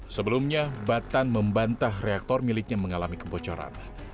sebelumnya batan membantah reaktor miliknya mengalami kebocoran